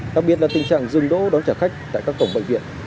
đặc biệt là tình trạng dừng đỗ đón trả khách tại các cổng bệnh viện